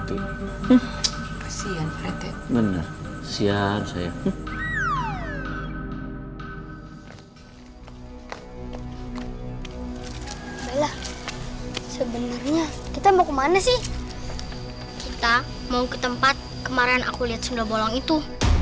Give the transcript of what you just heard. sebenarnya kita mau ke mana sih kita mau ke tempat kemarin aku lihat sendok bolong itu